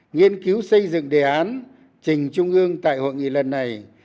nghiên cứu xây dựng đề án trình trung ương tại hội nghị lần này